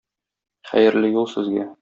Хәерле юл сезгә!